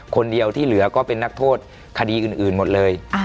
คนเดียวที่เหลือก็เป็นนักโทษคดีอื่นหมดเลย